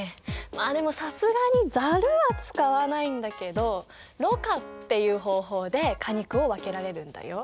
まあでもさすがにざるは使わないんだけどろ過っていう方法で果肉を分けられるんだよ。